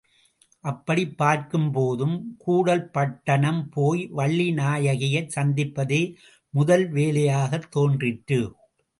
அப்படிப் பார்க்கும்போதும் கூடல் பட்டணம் போய் வள்ளிநாயகியைச் சந்திப்பதே முதல் வேலையாகத் தோன்றிற்று.